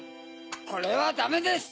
これはダメです。